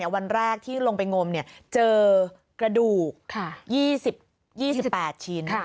วันแรกที่ลงไปงมเจอกระดูก๒๘ชิ้น